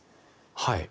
はい。